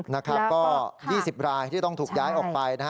แล้วก็๒๐รายที่ต้องถูกย้ายออกไป